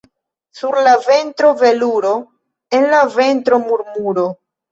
Sur la ventro veluro, en la ventro murmuro.